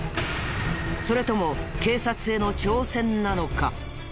それとも警察への挑戦なのか？